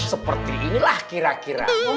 seperti inilah kira kira